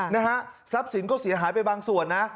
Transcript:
นะฮะทรัพย์สินก็เสียหายไปบางส่วนนะ